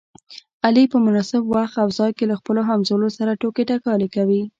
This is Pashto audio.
علي په مناسب وخت او ځای کې له خپلو همځولو سره ټوکې ټکالې کوي.